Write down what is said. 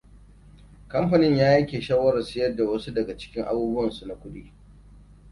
Kamfanin ya yanke shawarar siyar da wasu daga cikin abuwan su na kudi.